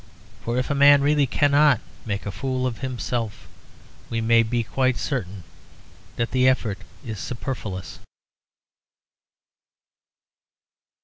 For if a man really cannot make a fool of himself, we may be quite certain that the effort is superfluous.